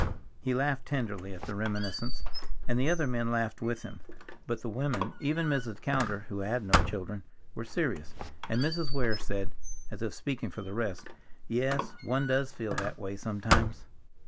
He laughed tenderly at the reminiscence, and the other men laughed with him, but the women, even Mrs. Callender, who had no children, were serious, and Mrs. Weir said, as if speaking for the rest, "Yes, one does feel that way sometimes."